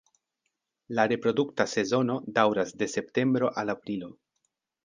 La reprodukta sezono daŭras de septembro al aprilo.